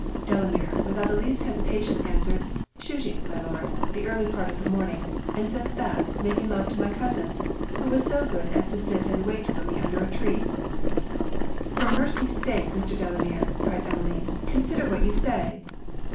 Delamere, without the least hesitation, answered 'Shooting, my Lord, the early part of the morning; and since that, making love to my cousin, who was so good as to sit and wait for me under a tree.' 'For mercy's sake, Mr. Delamere,' cried Emmeline, 'consider what you say.'